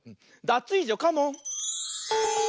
ダツイージョカモン！